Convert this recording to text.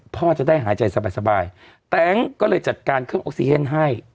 พ่อจะได้หายใจสบายแต๊งก็เลยจัดการเครื่องออกซิเจนให้